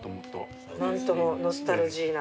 何ともノスタルジーな。